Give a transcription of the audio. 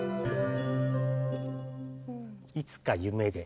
「いつか夢で」